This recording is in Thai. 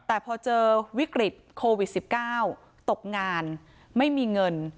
แต่พอเจอวิกฤตโควิด๑๙ตกงานไม่มีเงิน